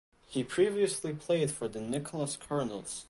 He previously played for the Nicholls Colonels.